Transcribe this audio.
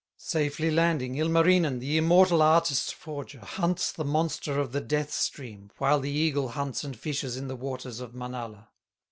Safely landing, Ilmarinen, The immortal artist forger, Hunts the monster of the Death stream, While the eagle hunts and fishes In the waters of Manala.